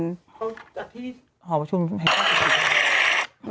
เขาจัดที่หอประชุมแห่งชาติศิริปุ่น